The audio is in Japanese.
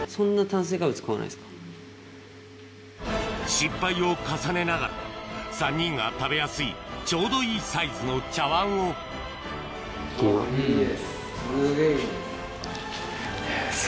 失敗を重ねながら３人が食べやすいちょうどいいサイズの茶碗をいいです